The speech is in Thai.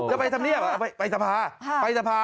อุไปศัพท์